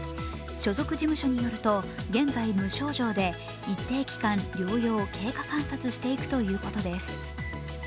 所属事務所によると現在、無症状で一定期間、療養・経過観察していくということです。